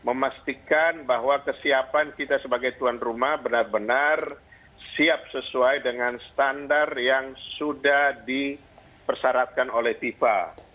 memastikan bahwa kesiapan kita sebagai tuan rumah benar benar siap sesuai dengan standar yang sudah dipersyaratkan oleh fifa